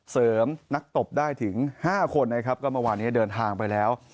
นักตบได้ถึง๕คนนะครับก็เมื่อวานนี้เดินทางไปแล้ว